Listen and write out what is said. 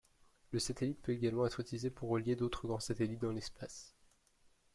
Le satellite peut également être utilisé pour relier d'autres grands satellites dans l'espace.